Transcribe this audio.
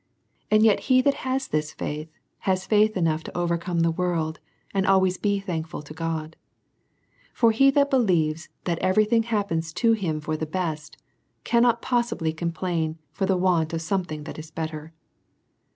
And yet he that has this faith, hath faith enough to overcome the worlds and always be thankful to God. For he that DEVOUT AND HOLY LIFE, 197 believes that every thing happens to him for the best, cannot possibly complain for the want of something that is better.